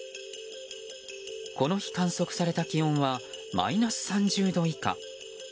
この日、観測された気温はマイナス３０度以下。